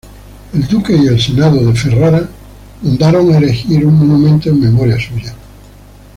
El duque y el senado de Ferrara mandaron erigir un monumento en memoria suya.